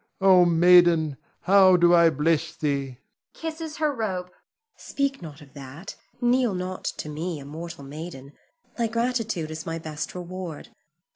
O maiden, how do I bless thee! [Kisses her robe.] Zuleika. Speak not of that, kneel not to me, a mortal maiden. Thy gratitude is my best reward.